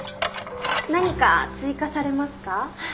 何か追加されますか？